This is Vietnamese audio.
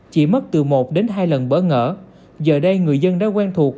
chỉ mất từ một đến hai lần bỡ ngỡ giờ đây người dân đã quen thuộc